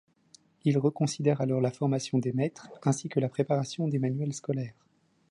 Il reconsidère alors la formation des maîtres, ainsi que la préparation des manuels scolaires.